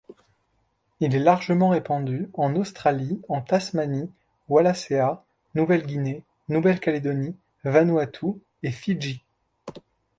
Il est largement répandu en Australie, en Tasmanie, Wallacea, Nouvelle-Guinée, Nouvelle-Calédonie, Vanuatu et Fidji.